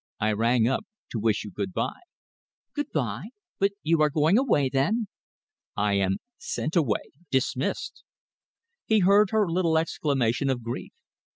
"I rang up to wish you good by." "Good by! But you are going away, then?" "I am sent away dismissed!" He heard her little exclamation of grief.